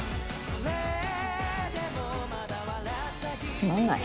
つまんない。